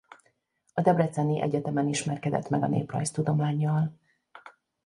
A debreceni egyetemen ismerkedett meg a néprajztudománnyal.